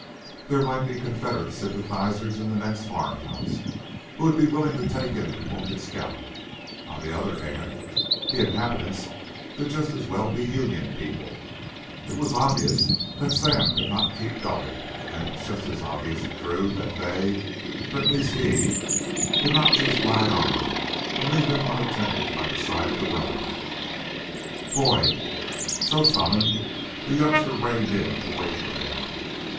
There might be Confederate sympathizers in the next farmhouse who would be willing to take in the wounded scout. On the other hand, the inhabitants could just as well be Union people. It was obvious that Sam could not keep going, and it was just as obvious to Drew that they or at least he could not just ride on and leave him untended by the side of the road. "Boyd!" So summoned, the youngster reined in to wait for them.